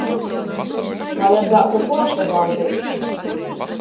Vajadzātu puorsabaudeit.